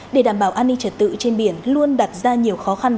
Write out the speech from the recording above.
để đảm bảo an ninh trật tự trên biển luôn đặt ra nhiều khó khăn